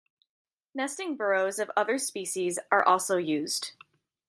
Nesting burrows of other species are also used.